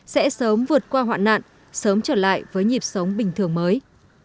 sẽ sớm vượt qua hoạn nạn sớm trở lại với nhịp sống bình thường mới